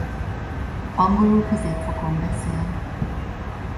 Angolul középfokon beszél.